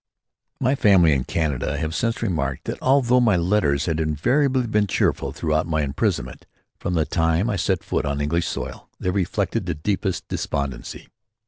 My family in Canada have since remarked that although my letters had invariably been cheerful throughout my imprisonment, from the time I set foot on English soil they reflected the deepest despondency.